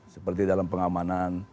seperti dalam pengamanan